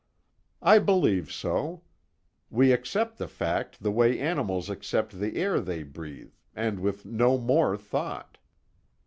"I believe so. We accept the fact the way animals accept the air they breathe, and with no more thought."